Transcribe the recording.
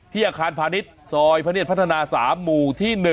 อาคารพาณิชย์ซอยพระเนธพัฒนา๓หมู่ที่๑